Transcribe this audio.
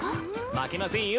負けませんよ